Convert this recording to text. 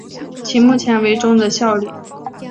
其目前为中的效力。